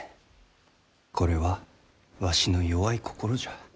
これはわしの弱い心じゃ。